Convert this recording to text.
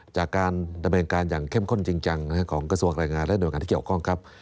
จากการดำเนินการอย่างเข้มข้นจริงจังของกระทรวงแรงงานและหน่วยงานที่เกี่ยวข้องครับ